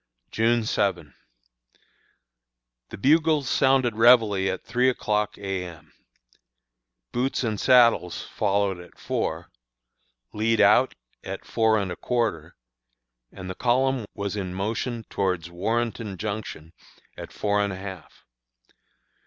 June 7. The bugles sounded réveille at three o'clock A. M. "Boots and saddles" followed at four; "lead out" at four and a quarter, and the column was in motion towards Warrenton Junction at four and a half.